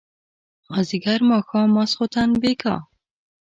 مازيګر ماښام ماسخوتن بېګا